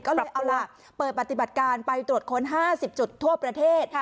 ก็เลยเอาล่ะเปิดปฏิบัติการไปตรวจค้น๕๐จุดทั่วประเทศ